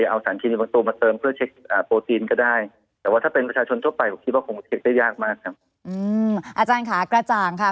อาจารย์ค่ะกระจ่างค่ะ